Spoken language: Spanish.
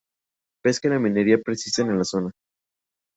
Pesca y la minería persisten en la zona.